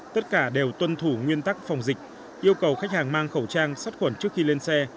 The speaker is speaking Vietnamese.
tất cả đều tuân thủ nguyên tắc phòng dịch yêu cầu khách hàng mang khẩu trang sắt khuẩn trước khi lên xe